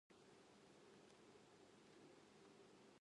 青色と赤色のどちらが好きですか？